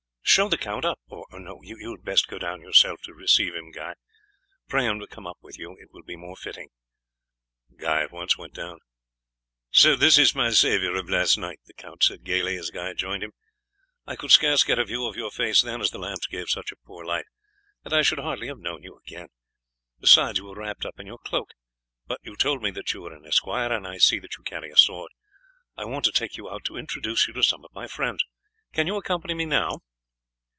"Show the count up. Or no, you had best go down yourself to receive him, Guy. Pray him to come up with you; it will be more fitting." Guy at once went down. "So this is my saviour of last night," the count said gaily as Guy joined him. "I could scarce get a view of your face then, as the lamps give such a poor light, and I should hardly have known you again. Besides, you were wrapped up in your cloak. But you told me that you were an esquire, and I see that you carry a sword. I want to take you out to introduce you to some of my friends. Can you accompany me now?"